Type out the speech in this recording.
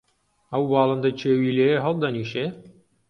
ئەو باڵندە کێویلەیە هەڵدەنیشێ؟